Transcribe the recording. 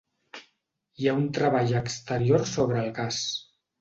Hi ha un treball exterior sobre el gas.